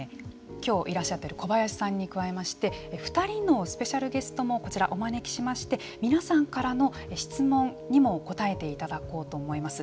今日いらっしゃってる小林さんに加えまして２人のスペシャルゲストもこちら、お招きしまして皆さんからの質問にも答えていただこうと思います。